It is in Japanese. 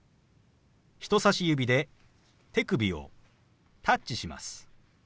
人さし指で手首をタッチします。